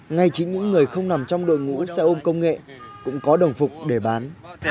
ngay chính những người không nằm trong đội ngũ xe ôm công nghệ cũng có đồng phục để bán